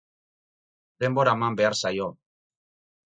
Denbora eman behar zaio.